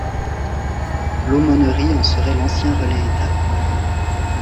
L'Aumônerie en serait l'ancien relais-étape.